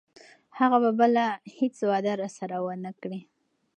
هغه به بله هیڅ وعده راسره ونه کړي.